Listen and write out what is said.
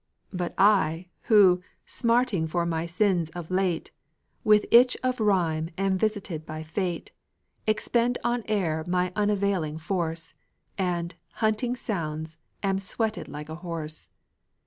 But I, who smarting for my sins of late With itch of rhyme am visited by fate, Expend on air my unavailing force, And, hunting sounds, am sweated like a horse.